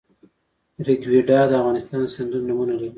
ریګویډا د افغانستان د سیندونو نومونه لري